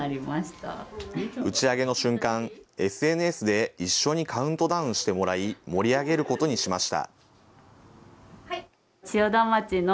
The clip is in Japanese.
打ち上げの瞬間、ＳＮＳで一緒にカウントダウンしてもらい、盛り上げることにしました。